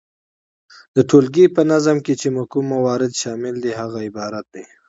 د ټولګي په نظم کي چي کوم موارد شامل دي هغه عبارت دي،